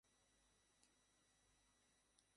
পুনাম, তারাতাড়ি চলে আসো।